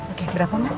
oke berapa mas